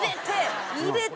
入れて！